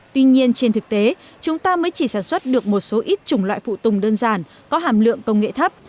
tuy nhiên trên thực tế chúng ta mới chỉ sản xuất được một số ít chủng loại phụ tùng đơn giản có hàm lượng công nghệ thấp